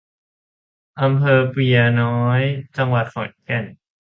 อำเภอเปือยน้อย จังหวัดขอนแก่น